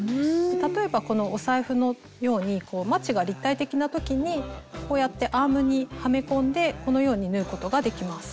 例えばこのお財布のようにマチが立体的な時にこうやってアームにはめ込んでこのように縫うことができます。